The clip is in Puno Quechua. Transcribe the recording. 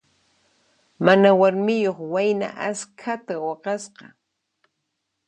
Mana warmiyuq wayna askhata waqasqa.